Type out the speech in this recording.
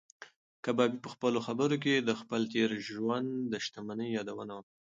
کبابي په خپلو خبرو کې د خپل تېر ژوند د شتمنۍ یادونه وکړه.